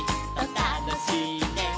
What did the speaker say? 「たのしいね」